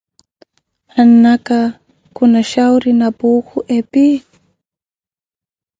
Mannaka khuna xhauri na puukhu epi?